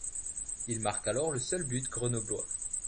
Il marque alors le seul but grenoblois.